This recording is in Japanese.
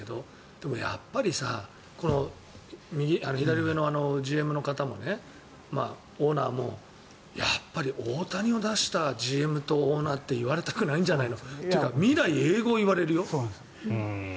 でも、やっぱり左上のＧＭの方もねオーナーも、やっぱり大谷を出したＧＭとオーナーって言われたくないんじゃないの？というか未来永劫言われるよ。